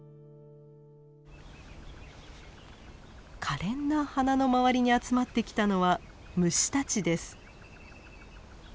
かれんな花の周りに集まってきたのは虫たちです。